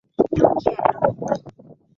Nyuki anauma.